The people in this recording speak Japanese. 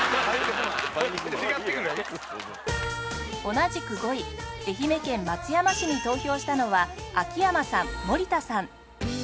同じく５位愛媛県松山市に投票したのは秋山さん森田さん